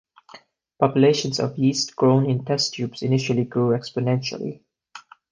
Populations of yeast grown in test tubes initially grew exponentially.